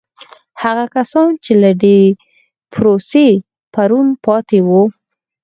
هغه کسان چې له دې پروسې بیرون پاتې وو.